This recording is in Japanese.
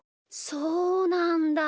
そうなんだ。